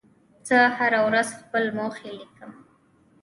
زه هره ورځ خپل موخې لیکم.